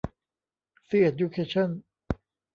ซีเอ็ดยูเคชั่น